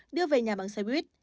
đưa về nhà bằng xe buýt